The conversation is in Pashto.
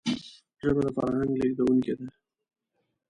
ژبه د فرهنګ لېږدونکی ده